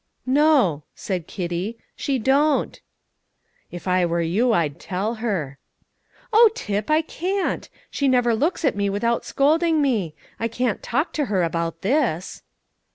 "No," said Kitty, "she don't." "If I were you, I'd tell her." "Oh, Tip, I can't! She never looks at me without scolding me; I can't talk to her about this."